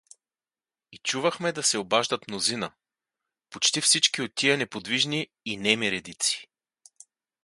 И чувахме да се обаждат мнозина, почти всички от тия неподвижни и неми редици.